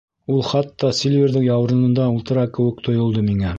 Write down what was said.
Ул хатта Сильверҙың яурынында ултыра кеүек тойолдо миңә.